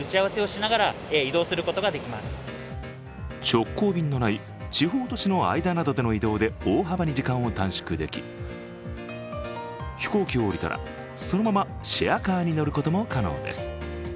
直行便のない地方都市の間などでの移動で大幅に時間を短縮でき、飛行機を降りたらそのままシェアカーに乗ることも可能です。